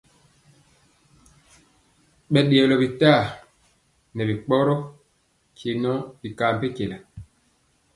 Ɓɛ ɗeyɔlɔ bitaa nɛ bikpoyo nkye nɔ bi ka mpenkyela.